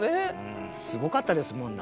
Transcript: すごかったですもんね。